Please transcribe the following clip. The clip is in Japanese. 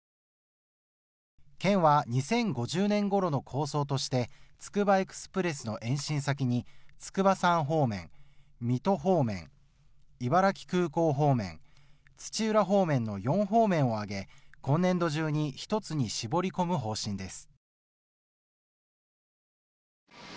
県は２０５０年ごろの構想としてつくばエクスプレスの延伸先に筑波山方面、水戸方面、茨城空港方面、土浦方面の４方面を挙げ、今年度中に１つに絞り込む方針です。